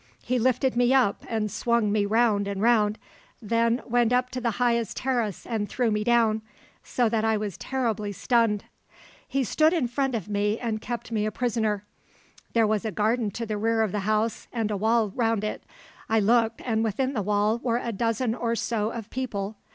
He lifted me up and swung me round and round, then went up to the highest terrace and threw me down, so that I was terribly stunned. He stood in front of me and kept me a prisoner. There was a garden to the rear of the house, and a wall round it. I looked, and within the wall were a dozen or so of people.